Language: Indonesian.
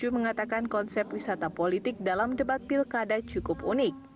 mengatakan konsep wisata politik dalam debat pilkada cukup unik